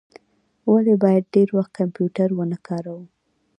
ولي باید ډیر وخت کمپیوټر و نه کاروو؟